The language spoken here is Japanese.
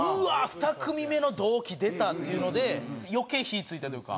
２組目の同期出た！っていうので余計火付いたというか。